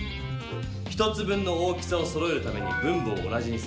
１つ分の大きさをそろえるために分母を同じにする。